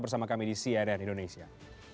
bersama kami di cnn indonesia